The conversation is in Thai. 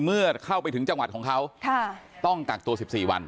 เมื่อเข้าไปถึงจังหวัดของเขาต้องกักตัว๑๔วัน